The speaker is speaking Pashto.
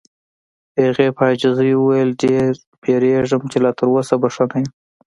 هغې په عاجزۍ وویل: ډېر وېریږم چې لا تر اوسه به ښه نه یم.